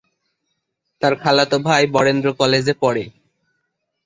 তার খালাতো ভাই বরেন্দ্র কলেজে পড়ে।